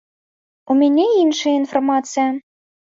У мяне іншая інфармацыя.